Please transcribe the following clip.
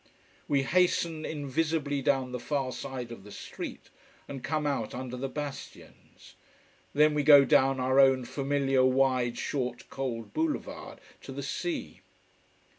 We hasten invisibly down the far side of the street, and come out under the bastions. Then we go down our own familiar wide, short, cold boulevard to the sea.